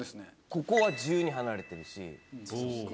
ここは１２離れてるし。